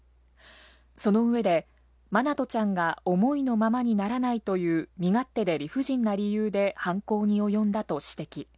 その上で、愛翔ちゃんが思いのままにならないという身勝手で理不尽な理由で犯行に及んだと指摘。